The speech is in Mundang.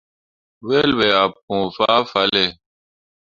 Wel ɓe ah pũu fahlalle.